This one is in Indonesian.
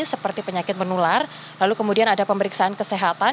seperti penyakit menular lalu kemudian ada pemeriksaan kesehatan